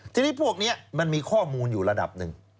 ทีนี้พวกนี้มันมีข้อมูลอยู่ระดับหนึ่ง